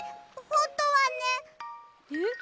ほんとはね。えっ？